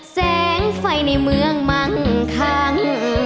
แสงไฟในเมืองมั่งคัง